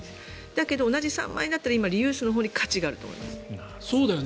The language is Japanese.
だけど同じ３万円だったら今、リユースのほうが価値があると思います。